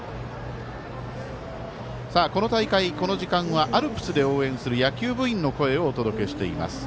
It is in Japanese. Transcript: この大会、この時間はアルプスで応援する野球部員の声をお届けしています。